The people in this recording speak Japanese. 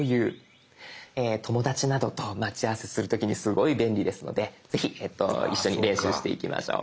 友達などと待ち合わせする時にすごい便利ですのでぜひ一緒に練習していきましょう。